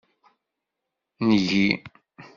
Ngi.